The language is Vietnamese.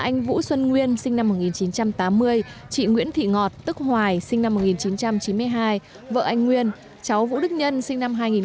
anh vũ xuân nguyên sinh năm một nghìn chín trăm tám mươi chị nguyễn thị ngọt tức hoài sinh năm một nghìn chín trăm chín mươi hai vợ anh nguyên cháu vũ đức nhân sinh năm hai nghìn một mươi ba con anh nguyên